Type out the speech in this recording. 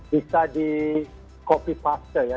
bisa di copy paste ya